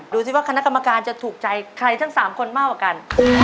ดูสิว่าคณะกรรมการจะถูกใจใครทั้ง๓คนมากกว่ากัน